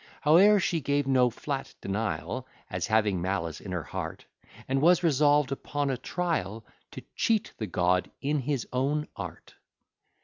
Howe'er, she gave no flat denial, As having malice in her heart; And was resolv'd upon a trial, To cheat the god in his own art.